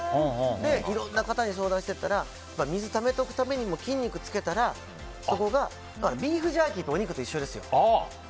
で、いろんな方に相談してったら水ためておくためにも筋肉つけたらビーフジャーキーとお肉と一緒ですよ。